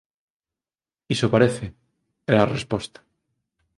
Iso parece —era a resposta—.